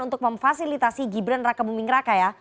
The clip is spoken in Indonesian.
untuk memfasilitasi gibran rakebumingraka